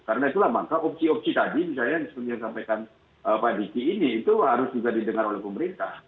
karena itulah maka opsi opsi tadi misalnya yang sudah saya sampaikan pak diki ini itu harus juga didengar oleh pemerintah